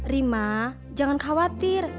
rima jangan khawatir